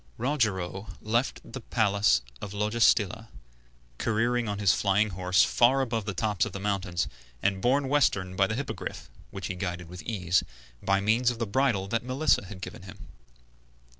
Rogero left the palace of Logestilla, careering on his flying courser far above the tops of the mountains, and borne westward by the Hippogriff, which he guided with ease, by means of the bridle that Melissa had given him.